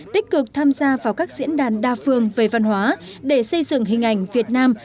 tích cực tham gia vào các diễn đàn đa phương về văn hóa để xây dựng hình ảnh việt nam